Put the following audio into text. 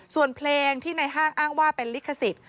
ส่วนเพลงที่ในห้างอ้างว่าเป็นลิขสิทธิ์